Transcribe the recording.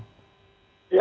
ya akan terjadi